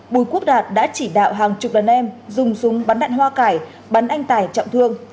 bùi quốc đạt đã chỉ đạo hàng chục đàn em dùng súng bắn đạn hoa cải bắn anh tài trọng thương